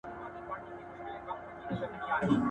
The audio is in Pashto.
خوار چي مرور سي، د چا کره به ورسي.